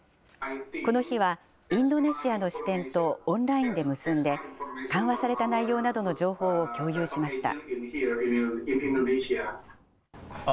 この日は、インドネシアの支店とオンラインで結んで、緩和された内容などの情報を共有しました。